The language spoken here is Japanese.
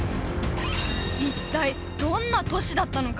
一体どんな都市だったのか？